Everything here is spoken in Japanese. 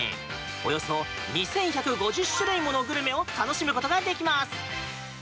およそ２１５０種類ものグルメを楽しむことができます。